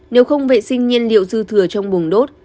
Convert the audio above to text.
nếu không vệ sinh nhiên liệu dư thừa trong buồng đốt